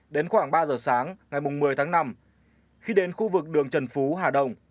đến khoảng ba giờ sáng ngày một mươi tháng năm khi đến khu vực đường trần phú hà đông